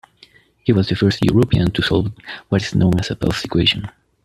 He was the first European to solve what is now known as Pell's equation.